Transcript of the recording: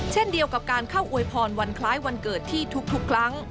เช่นเดียวกับการเข้าอวยพรวันคล้ายวันเกิดที่ทุกครั้ง